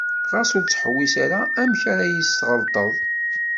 Xas ur ttḥewwis ara amek ara yi-tesɣelṭeḍ.